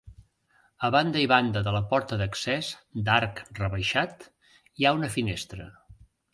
A banda i banda de la porta d'accés, d'arc rebaixat, hi ha una finestra.